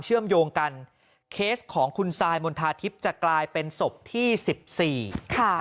เชื่อมโยงกันเคสของคุณซายมณฑาทิพย์จะกลายเป็นศพที่สิบสี่ค่ะ